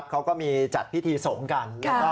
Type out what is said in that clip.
เขาก็มีจัดพิธีสงฆ์กัน